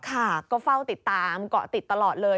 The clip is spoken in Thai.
ค่ะก็เฝ้าติดตามเกาะติดตลอดเลย